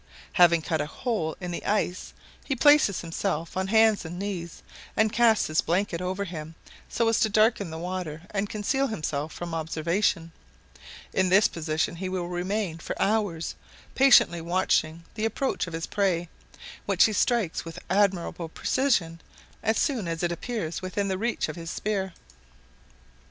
Having cut a hole in the ice he places himself on hands and knees, and casts his blanket over him, so as to darken the water and conceal himself from observation; in this position he will remain for hours, patiently watching the approach of his prey, which he strikes with admirable precision as soon as it appears within the reach of his spear.